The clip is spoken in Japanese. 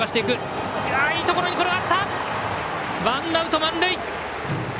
ワンアウト、満塁。